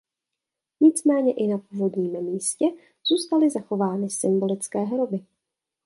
Nicméně i na původním místě zůstaly zachovány symbolické hroby.